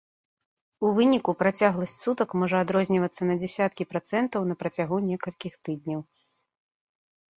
У выніку працягласць сутак можа адрознівацца на дзясяткі працэнтаў на працягу некалькіх тыдняў.